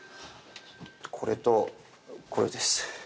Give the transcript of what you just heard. これとこれです。